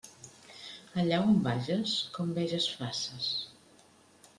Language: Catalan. Allà on vages, com veges faces.